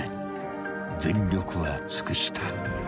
［全力は尽くした］